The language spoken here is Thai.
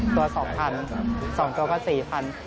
ตัว๒๐๐๐บาทสองตัวก็๔๐๐๐บาท